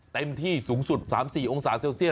เต็มที่สูงสุด๓๔องศาเซลเซียส